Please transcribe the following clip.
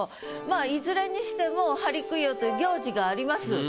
まあいずれにしても針供養という行事があります。